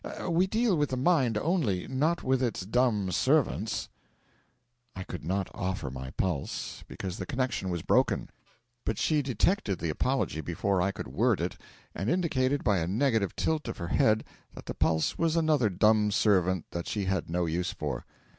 We deal with the mind only, not with its dumb servants.' I could not offer my pulse, because the connection was broken; but she detected the apology before I could word it, and indicated by a negative tilt of her head that the pulse was another dumb servant that she had no use for.